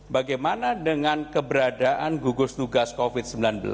bagaimana dengan keberadaan gugus tugas covid sembilan belas